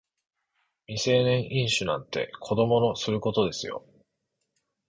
未成年飲酒なんて子供のすることですよ